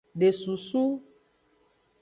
De susu.